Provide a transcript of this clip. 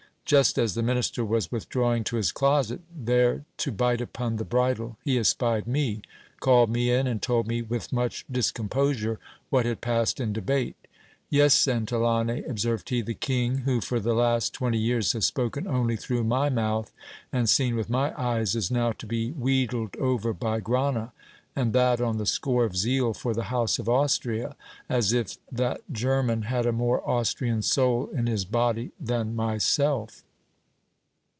Just as the minister was withdrawing to his closet, there to bite upon the bridle, he espied me, called me in, and told me with much discomposure what had passed in debate : Yes, Santillane, observed he, the king, who for the last twenty years has spoken only through my mouth, and seen with my eyes, is now to be wheedled over by Grana ; and that on the score of zeal for the house of Austria, as if that German had a more Austrian soul in his body than myself.